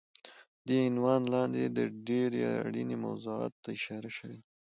دې عنوان لاندې د ډېرې اړینې موضوعاتو ته اشاره شوی دی